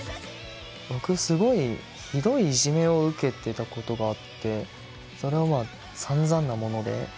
僕すごいひどいいじめを受けてたことがあってそれはまあさんざんなもので。